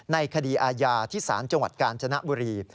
ในคดีอาญาที่ศาลจังหวัดกาญจนบุรี